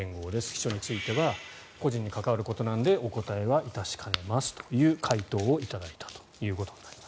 秘書については個人に関わることなのでお答えは致しかねますという回答を頂いたと。